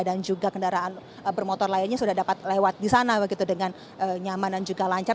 dan juga kendaraan bermotor lainnya sudah dapat lewat di sana begitu dengan nyaman dan juga lancar